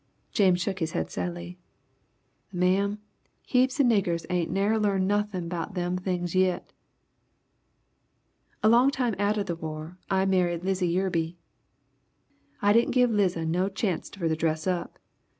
James shook his head sadly. "Ma'am, heaps of niggers ain't never larned nothin' 'bout them things yit! "A long time atter the war I married Lizy Yerby. I didn' give Liza no chanc't for to dress up.